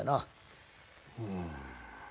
うん？